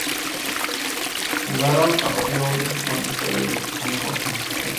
Jugaron a partido único en el estadio del equipo mejor clasificado.